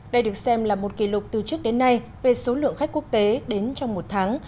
đây được xem là một kỷ lục từ trước đến nay về số lượng khách quốc tế đến trong một tháng